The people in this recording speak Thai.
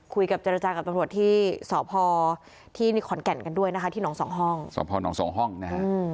คุยกับจริงจังกับตรวจที่สอบพอที่นี่ขอนแก่นกันด้วยนะคะที่น้องสองห้องสอบพอน้องสองห้องนะฮะ